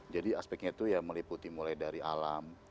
jadi aspeknya itu ya meliputi mulai dari alam